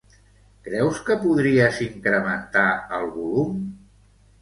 Creus que podries incrementar el volum?